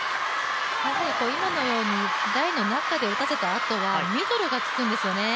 今のように台の中で打たせたあとはミドルが効くんですよね。